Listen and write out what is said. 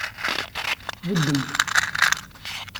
Beddemt!